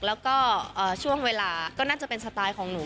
แล้วก็ช่วงเวลาก็น่าจะเป็นสไตล์ของหนู